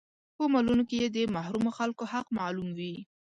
په مالونو کې يې د محرومو خلکو حق معلوم وي.